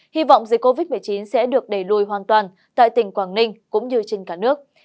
hy vọng dịch covid một mươi chín sẽ được đẩy lùi hoàn toàn tại tỉnh quảng ninh cũng như trên cả nước